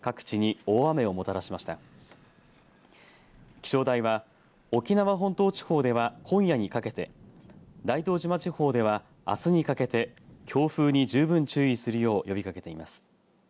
気象台は沖縄本島地方では今夜にかけて大東島地方ではあすにかけて強風に十分注意するよう呼びかけています。